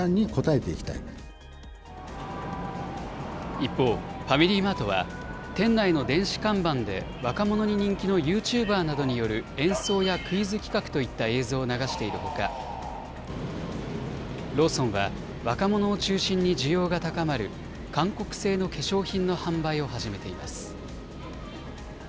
一方、ファミリーマートは、店内の電子看板で若者に人気のユーチューバーなどによる演奏やクイズ企画といった映像を流しているほか、ローソンは、若者を中心に需要が高まる韓国製の化粧品の販売を始めています。